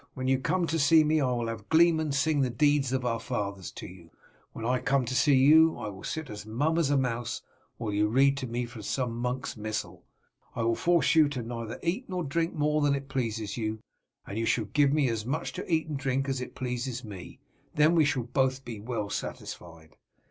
"When you come to see me I will have gleemen to sing the deeds of our fathers to you. When I come to you I will sit as mum as a mouse while you read to me from some monk's missal. I will force you neither to eat nor to drink more than it pleases you, and you shall give me as much to eat and drink as it pleases me, then we shall be both well satisfied.